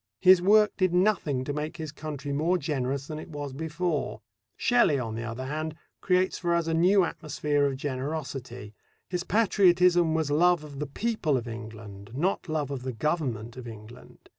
His work did nothing to make his country more generous than it was before. Shelley, on the other hand, creates for us a new atmosphere of generosity. His patriotism was love of the people of England, not love of the Government of England.